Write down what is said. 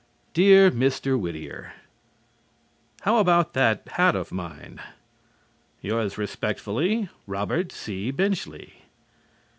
Dear Mr. Whittier: How about that hat of mine? Yours respectfully, ROBERT C. BENCHLEY.